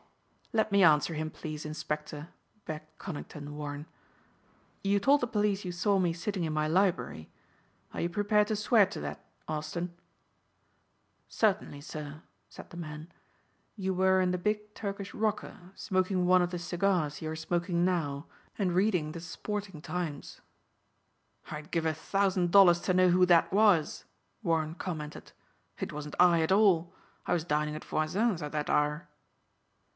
"Let me answer him please, inspector," begged Conington Warren. "You told the police that you saw me sitting in my library. Are you prepared to swear to that, Austin?" "Certainly, sir," said the man. "You were in the big turkish rocker, smoking one of the cigars you are smoking now and reading the Sporting Times." "I'd give a thousand dollars to know who that was!" Warren commented. "It wasn't I at all. I was dining at Voisin's at that hour."